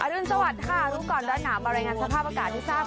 รุนสวัสดิ์ค่ะรู้ก่อนร้อนหนาวมารายงานสภาพอากาศให้ทราบ